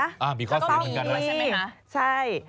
มีข้อเสียเหมือนกันแล้วใช่ไหมคะต้องมีใช่